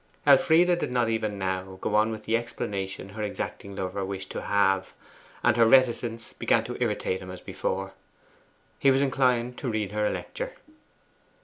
Elfride did not even now go on with the explanation her exacting lover wished to have, and her reticence began to irritate him as before. He was inclined to read her a lecture.